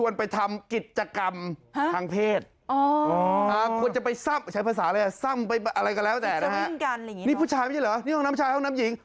นี่ผู้ชายไม่ใช่เหรอนี่ห้องน้ำชายห้องน้ำหญิง